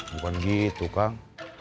bukan gitu kang